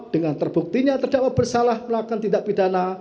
dengan terbuktinya terdakwa bersalah melakukan tindak pidana